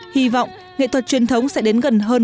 hy vọng nghệ thuật truyền thống sẽ đến gần hơn